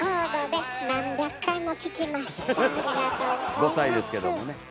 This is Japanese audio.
５歳ですけどもね。